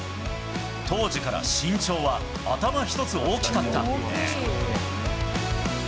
当時から身長は頭一つ大きかった。